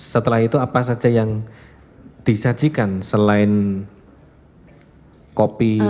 setelah itu apa saja yang disajikan selain kopi